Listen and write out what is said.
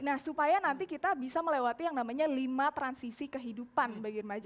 nah supaya nanti kita bisa melewati yang namanya lima transisi kehidupan bagi remaja